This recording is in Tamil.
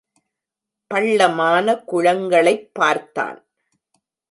பள்ளமான குளங்களைப் பார்த்தான்.